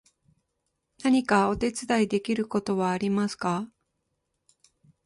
何かお手伝いできることはありますか？